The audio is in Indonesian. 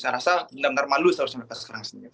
mereka malu seharusnya dikatakan sekarang sendiri